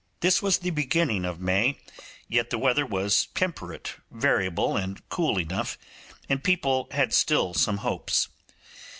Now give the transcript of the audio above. This was the beginning of May, yet the weather was temperate, variable, and cool enough, and people had still some hopes.